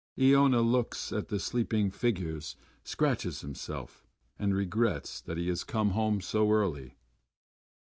Iona looks at the sleeping figures, scratches himself, and regrets that he has come home so early....